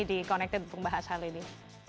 di connected membahas hal ini